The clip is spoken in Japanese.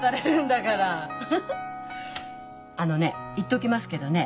あのね言っときますけどね